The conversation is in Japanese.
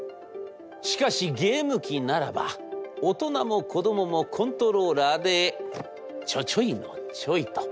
しかしゲーム機ならば大人も子どももコントローラーでちょちょいのちょいと。